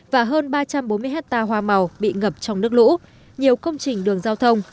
và hơn ba trăm bốn mươi hectare hoa màu bị ngập trong nước lũ nhiều công trình đường giao thông